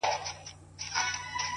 د اوښ بـارونـه پـــه واوښـتـل ـ